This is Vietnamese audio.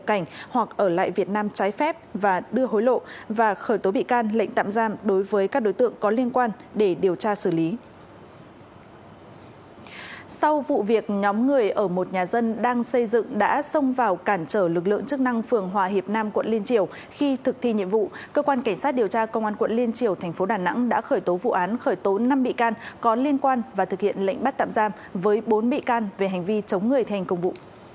cảnh sát điều tra công an quận liên triều thành phố đà nẵng đã khởi tố vụ án khởi tố năm bị can có liên quan và thực hiện lệnh bắt tạm giam với bốn bị can về hành vi chống người thanh công vụ